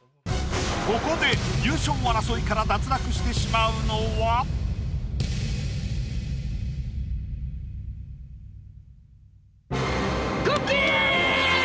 ここで優勝争いから脱落してしまうのは⁉くっきー！